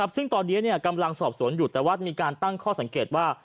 ซึ่งตอนนี้กำลังสอบสวนอยู่แต่ว่ามีการตั้งข้อสังเกตว่า